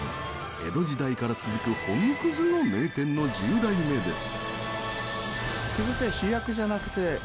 江戸時代から続く本葛の名店の十代目です。